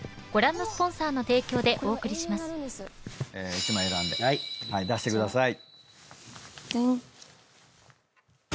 １枚選んで出してください。